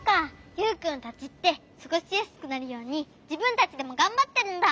ユウくんたちってすごしやすくなるようにじぶんたちでもがんばってるんだ。